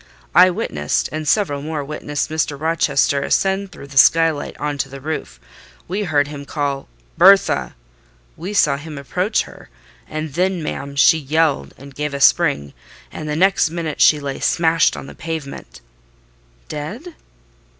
I witnessed, and several more witnessed, Mr. Rochester ascend through the sky light on to the roof; we heard him call 'Bertha!' We saw him approach her; and then, ma'am, she yelled and gave a spring, and the next minute she lay smashed on the pavement." The next minute she lay smashed on the pavement "Dead?"